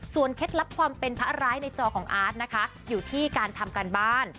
เคล็ดลับความเป็นพระร้ายในจอของอาร์ตนะคะอยู่ที่การทำการบ้าน